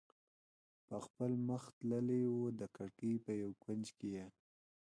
په خپله مخه تللی و، د کړکۍ په یو کونج کې یې.